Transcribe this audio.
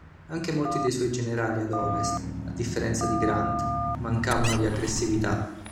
Anche molti dei suoi generali ad ovest, a differenza di Grant, mancavano di aggressività.